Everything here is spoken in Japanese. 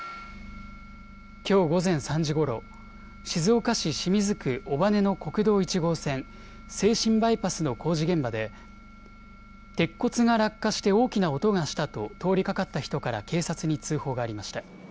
きょう午前３時ごろ、静岡市清水区尾羽の国道１号線静清バイパスの工事現場で鉄骨が落下して大きな音がしたと通りかかった人から警察に通報がありました。